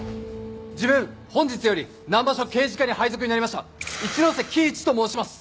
自分本日より南葉署刑事課に配属になりました一ノ瀬貴一と申します！